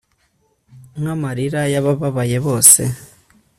Nka marira yabababaye bose